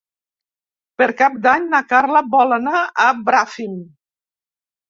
Per Cap d'Any na Carla vol anar a Bràfim.